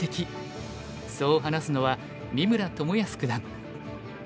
そう話すのは三村智保九段。